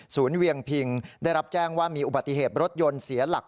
เวียงพิงได้รับแจ้งว่ามีอุบัติเหตุรถยนต์เสียหลัก